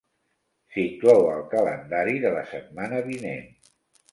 S'inclou al calendari de la setmana vinent.